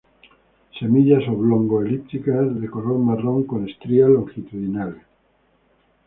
Semillas oblongo-elípticas, de color marrón con estrías longitudinales.